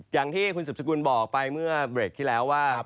อย่างที่คุณสุบสกุลบอกไปเมื่อเบรกที่แล้วว่า